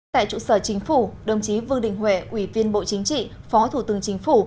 tại trụ sở chính phủ đồng chí vương đình huệ ủy viên bộ chính trị phó thủ tướng chính phủ